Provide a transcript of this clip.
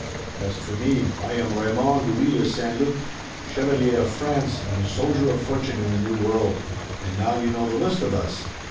As for me, I am Raymond Louis de St. Luc, Chevalier of France and soldier of fortune in the New World. And now you know the list of us.